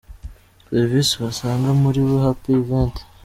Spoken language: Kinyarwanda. Serivisi wasanga muri Be Happy Event.